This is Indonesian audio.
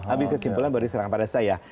ambil kesimpulan baru diserahkan pada saya